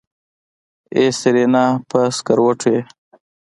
ای سېرېنا په سکروټو يې.